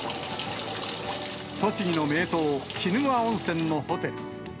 栃木の名湯、鬼怒川温泉のホテル。